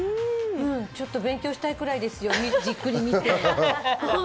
ちょっと勉強したいぐらいですよ、じっくり見て。